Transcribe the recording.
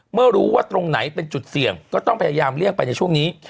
เมื่อรู้ว่าตรงไหนเป็นจุดเสี่ยงก็ต้องพยายามเลี่ยงไปในช่วงนี้